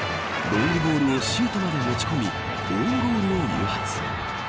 ロングボールをシュートまで持ち込みオウンゴールを誘発。